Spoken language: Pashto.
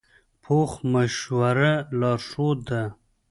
پوخ مشوره لارښوونه ده